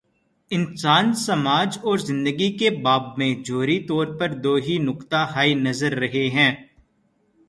انسان، سماج اور زندگی کے باب میں، جوہری طور پر دو ہی نقطہ ہائے نظر رہے ہیں۔